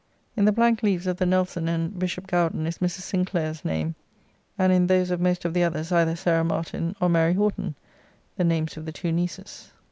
In the blank leaves of the Nelson and Bishop Gauden, is Mrs. Sinclair's name; and in those of most of the others, either Sarah Martin, or Mary Horton, the names of the two nieces.